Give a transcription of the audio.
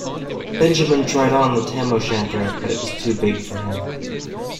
Benjamin tried on the tam-o-shanter, but it was too big for him.